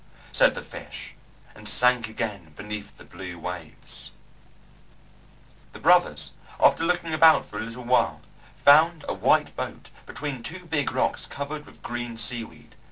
said the fish, and sank again beneath the blue waves. The brothers, after looking about for a little while, found a white boat between two big rocks covered with green seaweed.